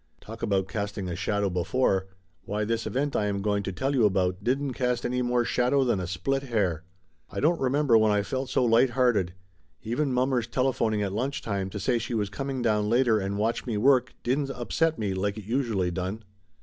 Talk about casting a shadow before, why this event I am going to tell you about didn't cast any more shadow than a split hair! I don't remember when I felt so light hearted. Even mommer's telephoning at lunch time to say she was coming down later and watch me work didn't upset me like it usually done.